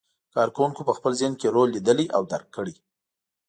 کار کوونکي په خپل ذهن کې رول لیدلی او درک کړی.